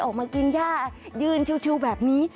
ออกมากินย่ายืนชิวแบบนี้